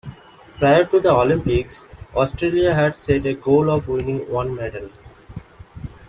Prior to the Olympics, Australia had set a goal of winning one medal.